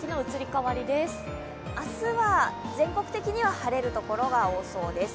明日は全国的に晴れるところが多そうです。